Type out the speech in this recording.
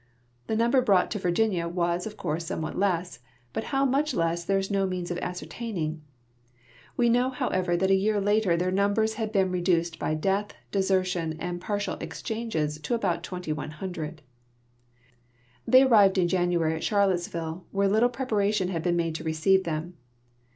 The number brought to Virginia Avas, of course, someAvhat less, hut how much there is no means of ascertaining. V'e knoAV, hoAvever, that a year later their numbers had been re , duced by death, desertion, and partial exchanges to about 2,100. They arrived in January at Charlottesville, Avhere little prej>ara tion had been made to receive them.